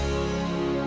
sampai jumpa di jepang